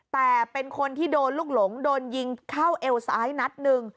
แต่เป็นคนที่โดนลูกหลงโดนยิงเข้าเอวซ้ายนัดหนึ่ง